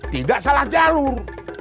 tidak salah jalur